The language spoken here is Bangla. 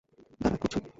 দাঁড়া, করছি।